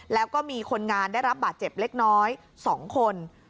แล้วก็มีคนงานได้รับบาดเจ็บเล็กน้อย๒คน